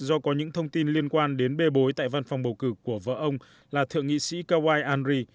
do có những thông tin liên quan đến bê bối tại văn phòng bầu cử của vợ ông là thượng nghị sĩ kawaii andri